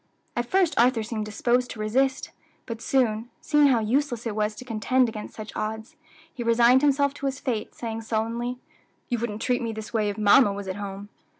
At first Arthur seemed disposed to resist; but soon, seeing how useless it was to contend against such odds, he resigned himself to his fate, saying sullenly, "You wouldn't treat me this way if mamma was at home."